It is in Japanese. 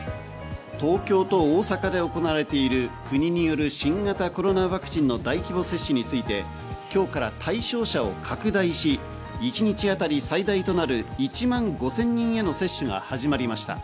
東京と大阪で行われている国による新型コロナウイルスワクチンの大規模接種について今日から対象者を拡大し、一日当たり最大となる１万５０００人への接種が始まりました。